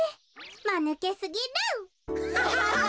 まぬけすぎる。